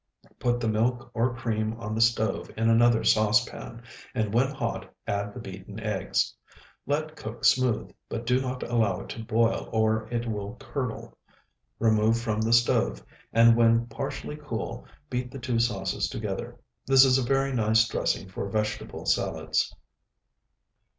Put the milk or cream on the stove in another saucepan, and when hot add the beaten eggs. Let cook smooth, but do not allow it to boil or it will curdle. Remove from the stove, and when partially cool beat the two sauces together. This is a very nice dressing for vegetable salads.